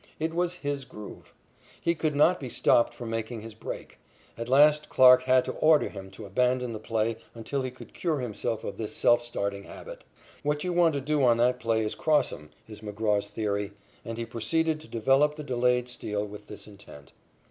It was his "groove." He could not be stopped from making his break. At last Clarke had to order him to abandon the play until he could cure himself of this self starting habit. "What you want to do on that play is cross 'em," is McGraw's theory, and he proceeded to develop the delayed steal with this intent.